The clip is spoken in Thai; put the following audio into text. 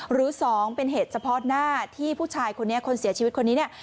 หรือ๒เป็นเหตุเฉพาะหน้าที่ผู้ชายคนนี้คนเสียชีวิตคนนี้เนี่ย